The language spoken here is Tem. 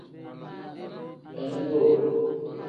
Bendu.